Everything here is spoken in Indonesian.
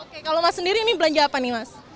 oke kalau mas sendiri ini belanja apa nih mas